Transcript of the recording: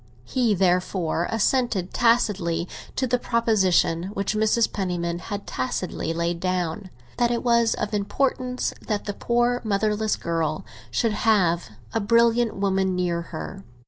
He therefore assented tacitly to the proposition which Mrs. Penniman had tacitly laid down, that it was of importance that the poor motherless girl should have a brilliant woman near her.